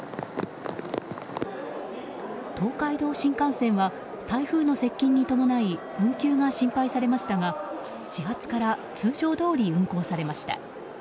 東海道新幹線は台風の接近に伴い運休が心配されましたが始発から通常どおり運行されました。